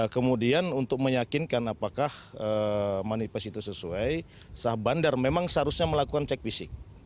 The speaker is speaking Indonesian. kemudian untuk meyakinkan apakah manifest itu sesuai sah bandar memang seharusnya melakukan cek fisik